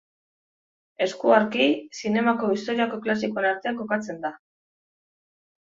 Eskuarki, zinemako historiako klasikoen artean kokatzen da.